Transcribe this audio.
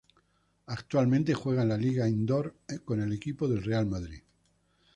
Actualmente juega en la Liga Indoor con el equipo del Real Madrid.